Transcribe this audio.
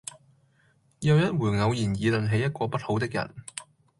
又一回偶然議論起一個不好的人，